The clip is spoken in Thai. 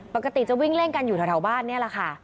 ปกติจะวิ่งเล่นกันอยู่แถวบ้านนี่แหละค่ะ